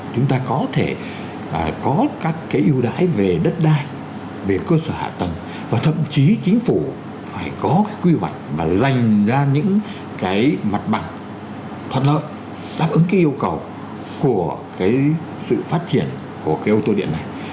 chúng ta có thể có các cái ưu đãi về đất đai về cơ sở hạ tầng và thậm chí chính phủ phải có cái quy hoạch và dành ra những cái mặt bằng thuận lợi đáp ứng cái yêu cầu của cái sự phát triển của cái ô tô điện này